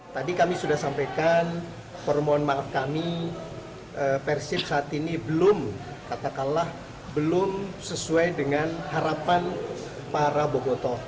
tadi kami sudah sampaikan permohonan maaf kami persib saat ini belum katakanlah belum sesuai dengan harapan para boboto